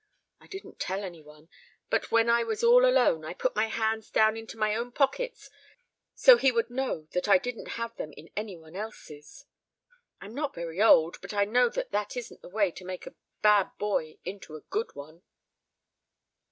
I didn't tell anyone, but when I was all alone I put my hands down into my own pockets so he would know that I didn't have them in anyone else's.... I'm not very old, but I know that that isn't the way to make a bad boy into a good one."